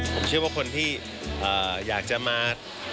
ผมเชื่อว่าคนที่อยากจะมา